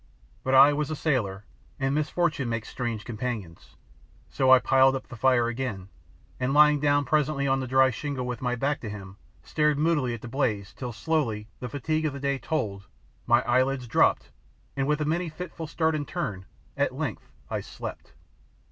But I was a sailor, and misfortune makes strange companions, so I piled up the fire again, and lying down presently on the dry shingle with my back to him stared moodily at the blaze till slowly the fatigues of the day told, my eyelids dropped and, with many a fitful start and turn, at length I slept.